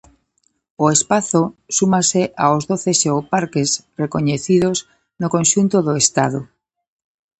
O espazo súmase aos doce xeoparques recoñecidos no conxunto do Estado.